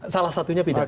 salah satunya pidato